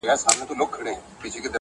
نو یې ووېشل ډوډۍ پر قسمتونو؛